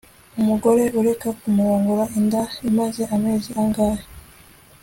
umugore ureka kumurongora inda imaze amezi angahe